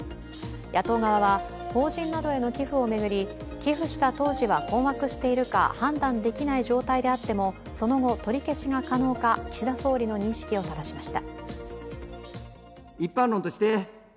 野党側は法人などへの寄付を巡り寄付した当時は困惑しているか判断できない状態であってもその後、取り消しが可能か岸田総理の認識をただしました。